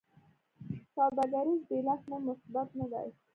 سوداګریز بیلانس مو مثبت نه دی.